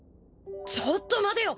ちょっと待てよ！